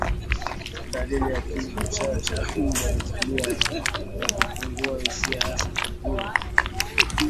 Dalili ya kichaa cha mbwa ni tabia ya kupungua hisia hasa miguu ya nyuma